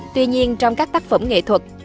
tuy nhiên trong các tác phẩm nghệ thuật